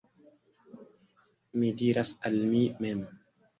Mi diras al mi mem: